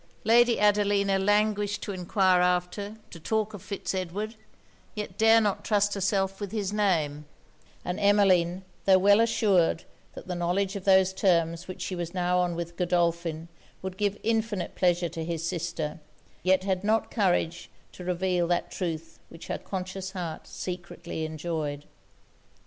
Lady Adelina languished to enquire after, to talk of Fitz Edward, yet dared not trust herself with his name; and Emmeline, tho' well assured that the knowledge of those terms which she was now on with Godolphin would give infinite pleasure to his sister, yet had not courage to reveal that truth which her conscious heart secretly enjoyed.